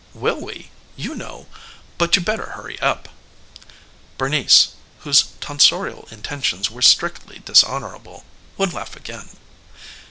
"Will we? You know! But you better hurry up." Bernice, whose tonsorial intentions were strictly dishonorable, would laugh again.